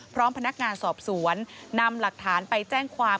พร้อมพนักงานสอบสวนนำหลักฐานไปแจ้งความ